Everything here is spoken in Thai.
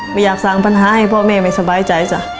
ไม่อยากสร้างปัญหาให้พ่อแม่ไม่สบายใจจ้ะ